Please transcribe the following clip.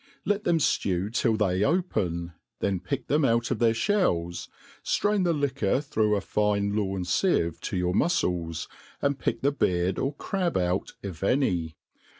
Let them ftew till they open, then pick them out of the fliells, flrain the liquor through a fine lawn fieve to your mufiels, and pick the heard or crab out, if any.